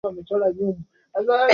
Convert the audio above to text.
Mtoto mzembe.